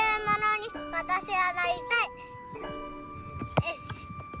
よし！